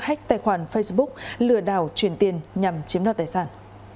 hách tài khoản facebook lừa đảo chuyển tiền nhằm chiếm đoạt tài sản